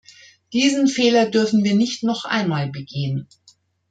Diesen Fehler dürfen wir nicht noch einmal begehen.